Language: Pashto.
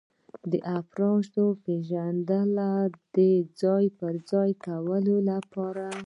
د افرادو پیژندل د ځای پر ځای کولو لپاره.